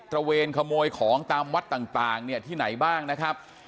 ระเวนขโมยของตามวัดต่างเนี่ยที่ไหนบ้างนะครับ